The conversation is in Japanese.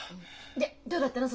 でどうだったの？